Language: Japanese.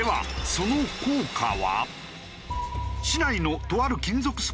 その効果は？